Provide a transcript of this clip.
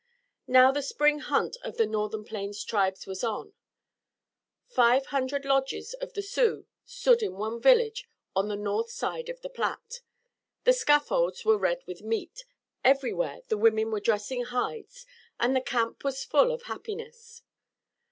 Now the spring hunt of the northern Plains tribes was on. Five hundred lodges of the Sioux stood in one village on the north side of the Platte. The scaffolds were red with meat, everywhere the women were dressing hides and the camp was full of happiness.